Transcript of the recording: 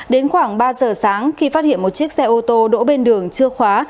đến khoảng ba giờ sáng khi phát hiện một chiếc xe ô tô đỗ bên đường chưa khóa